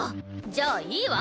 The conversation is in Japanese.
じゃあいいわ！